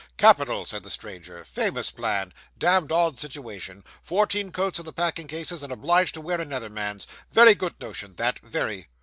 'Capital,' said the stranger, 'famous plan damned odd situation fourteen coats in the packing cases, and obliged to wear another man's very good notion, that very.